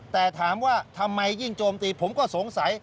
แต่ถามว่าทำไมยิ่งโจมตีผมก็สงสัย